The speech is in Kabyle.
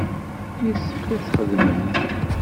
Yessefk ad txedmemt.